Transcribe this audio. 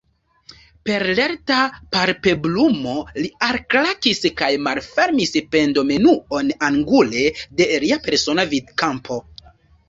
Per lerta palpebrumo li alklakis kaj malfermis pendomenuon angule de lia persona vidkampo.